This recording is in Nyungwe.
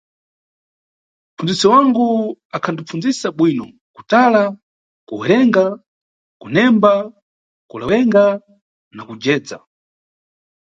Mʼpfundzisi wangu akhandipfundzisa bwino kutala, kuwerenga, kunemba, kulewenga na kujedza.